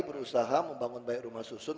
berusaha membangun rumah susun